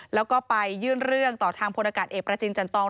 แล้วก็ไปยื่นเรื่องต่อทางพลอากาศเอกประจินจันตอง